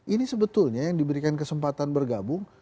ini sebetulnya yang diberikan kesempatan bergabung